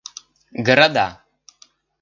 города